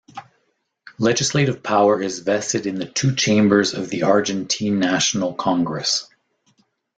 Legislative power is vested in the two chambers of the Argentine National Congress.